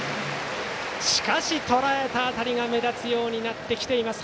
しかし、とらえた当たりが目立つようになってきています